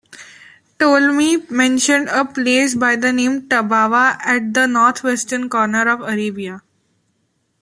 Ptolemy mentioned a place by the name 'Tabawa', at the northwestern corner of Arabia.